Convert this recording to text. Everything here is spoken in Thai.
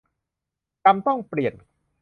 จำต้องเปลี่ยน